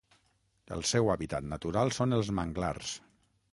El seu hàbitat natural són els manglars.